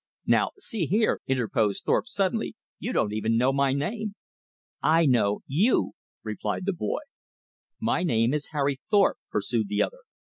"Now see here," interposed Thorpe suddenly, "you don't even know my name." "I know YOU," replied the boy. "My name is Harry Thorpe," pursued the other.